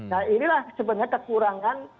nah inilah sebenarnya kekurangan